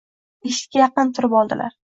Eshikka yaqin turib oldilar